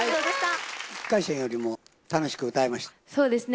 １回戦よりも楽しく歌えましたか？